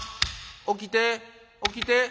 起きて起きて。